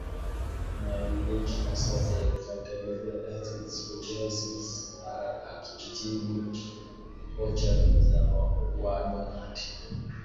na elimu hasa De Catechizandis Rudibus Akijibu hoja za Wadonati